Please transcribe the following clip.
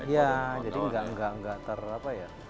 ya jadi nggak terapa ya